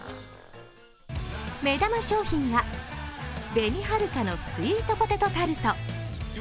目玉商品は、紅はるかのスイートポテトタルト。